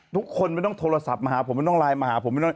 ทุกคนไม่ต้องโทรศัพท์มาหาผมไม่ต้องไลน์มาหาผมไม่ต้อง